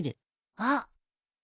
あっ！